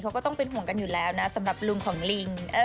เขาก็ต้องเป็นห่วงกันอยู่แล้วนะสำหรับลุงของลิง